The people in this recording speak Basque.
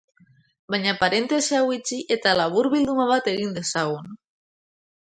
Baina parentesi hau itxi eta laburbilduma bat egin dezagun.